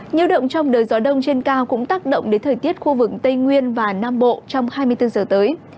nhiều động trong đời gió đông trên cao cũng tác động đến thời tiết khu vực tây nguyên và nam bộ trong hai mươi bốn giờ tới